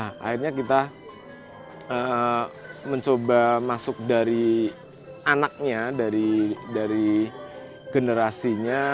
akhirnya kita mencoba masuk dari anaknya dari generasinya